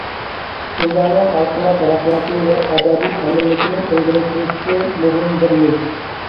شىنجاڭنىڭ ھالقىما تەرەققىياتى ۋە ئەبەدىي ئەمىنلىكىنى ئىلگىرى سۈرۈشتىكى مۇھىم بىر يىل.